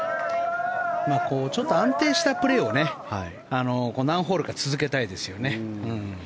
ちょっと安定したプレーを何ホールか続けたいですよね。